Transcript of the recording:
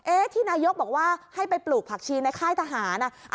ที่นายกบอกว่าให้ไปปลูกผักชีในค่ายทหาร